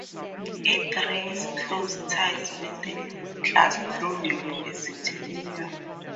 It retains close ties with the Glasgow University Union.